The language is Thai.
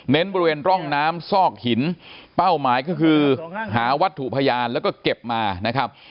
บริเวณร่องน้ำซอกหินเป้าหมายก็คือหาวัตถุพยานแล้วก็เก็บมานะครับ